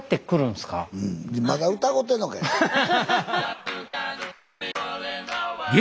まだ疑うてんのかい。